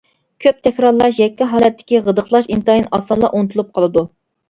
كۆپ تەكرارلاش يەككە ھالەتتىكى غىدىقلاش ئىنتايىن ئاسانلا ئۇنتۇلۇپ قالىدۇ.